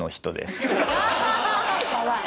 やばい。